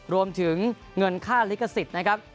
รวมถึงเงินค่าลิขสิทธิ์นะครับ